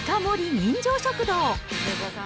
人情食堂。